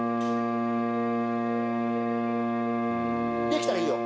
できたらいいよ